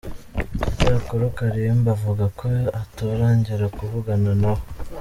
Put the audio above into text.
Icyakora Karimba avuga ko atarongera kuvugana nawe.